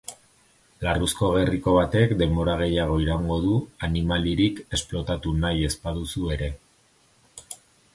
Larruzko gerriko batek denbora gehiago iraungo du, animalirik esplotatu nahi ez baduzu ere.